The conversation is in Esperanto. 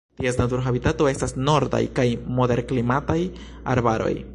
Ties natura habitato estas nordaj kaj moderklimataj arbaroj.